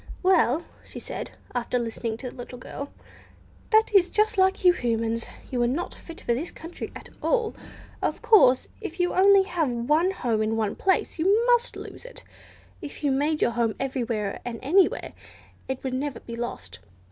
"Well," said she, after listening to the little girl, "that is just like you Humans; you are not fit for this country at all! Of course, if you have only one home in one place, you must lose it! If you made your home everywhere and anywhere, it would never be lost.